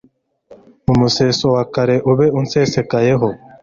Mu museso wa kare ube unsesekayeho